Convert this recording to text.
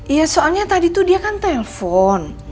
iya soalnya tadi tuh dia kan telpon